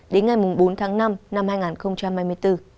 đến ngày bốn tháng năm năm hai nghìn hai mươi bốn